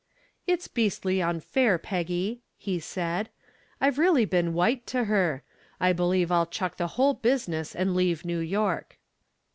"It's beastly unfair, Peggy," he said. "I've really been white to her. I believe I'll chuck the whole business and leave New York."